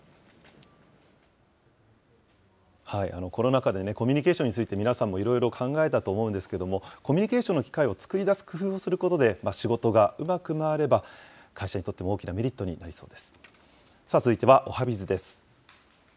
コロナ禍でコミュニケーションについて皆さんもいろいろ考えたと思うんですけれども、コミュニケーションの機会を作り出す工夫をすることで、仕事がうまく回れば、会社にとっても大きなメリットになりそうです。